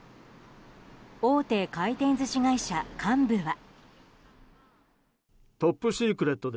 大手回転寿司会社幹部は。